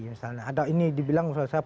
misalnya ada ini dibilang misalnya saya